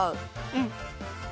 うん。